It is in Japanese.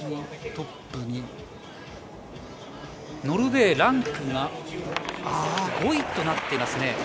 ノルウェーランクが５位となっていますね。